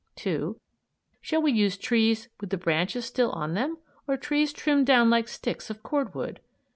2. Shall we use trees with the branches still on them or trees trimmed down like sticks of cord wood?